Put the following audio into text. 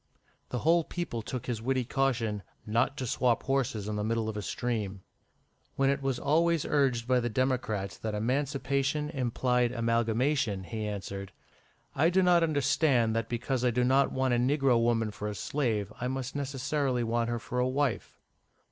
The whole people took his witty caution "not to swap horses in the middle of a stream." When it was always urged by the Democrats that emancipation implied amalgamation, he answered "I do not understand that because I do not want a negro woman for a slave, I must necessarily want her for a wife."